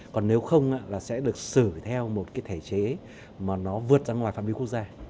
còn nếu không là sẽ được xử theo một cái thể chế mà nó vượt ra ngoài phạm vi quốc gia